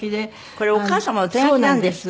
これお母様の手書きなんですって？